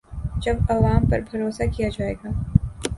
جب عوام پر بھروسہ کیا جائے گا۔